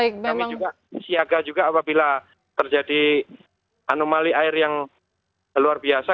kami juga siaga juga apabila terjadi anomali air yang luar biasa